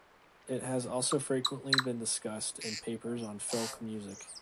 It has also frequently been discussed in papers on filk music.